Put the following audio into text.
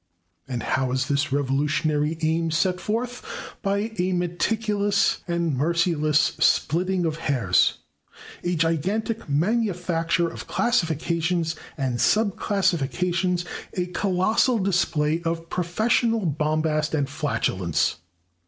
And how is this revolutionary aim set forth? By a meticulous and merciless splitting of hairs, a gigantic manufacture of classifications and sub classifications, a colossal display of professorial bombast and flatulence.